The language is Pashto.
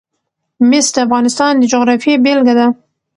مس د افغانستان د جغرافیې بېلګه ده.